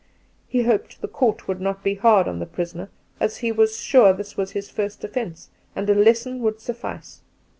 He hoped the Court would not be hard on the prisoner, as he was sure this was his first offence, and a lesson would suffice.